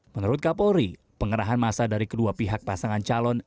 menurut kapolri pengerahan masa dari kedua pihak pasangan calon